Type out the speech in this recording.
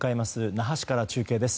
那覇市から中継です。